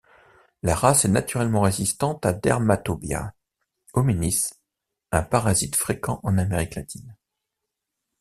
La race est naturellement résistante à Dermatobia hominis, un parasite fréquent en Amérique latine.